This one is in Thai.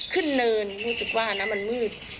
ขึ้นเนินรู้สึกว่ามันมืด